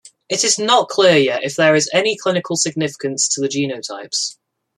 It is not clear yet if there is any clinical significance to the genotypes.